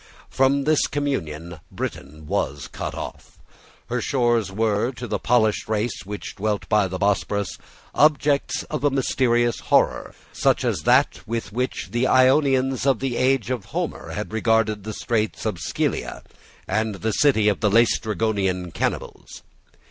From this communion Britain was cut off. Her shores were, to the polished race which dwelt by the Bosphorus, objects of a mysterious horror, such as that with which the Ionians of the age of Homer had regarded the Straits of Scylla and the city of the Laestrygonian cannibals.